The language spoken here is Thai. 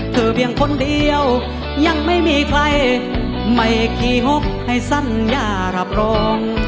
เพียงคนเดียวยังไม่มีใครไม่ขี่หกให้สัญญารับรอง